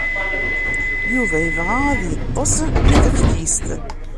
Yuba yebɣa ad yeḍḍes deg teftist.